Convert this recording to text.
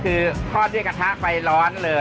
ปู่พญานาคี่อยู่ในกล่อง